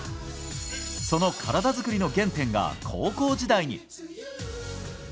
その体作りの原点が高校時代に。